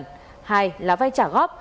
hai là vay trả góp